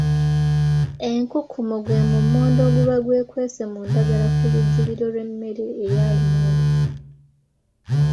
Enkukumo gwe mummonde oguba gwekwese mu ndagala ku lujjuliro lw’emmere eya lumonde.